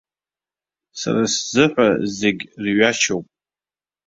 Сара сзыҳәа зегь рҩашьоуп.